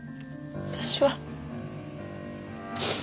私は。